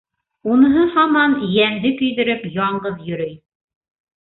Уныһы һаман, йәнде көйҙөрөп, яңғыҙ йөрөй.